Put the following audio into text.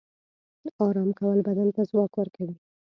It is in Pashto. آرام کول بدن ته ځواک ورکوي